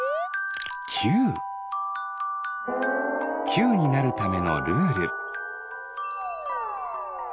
きゅうになるためのルール。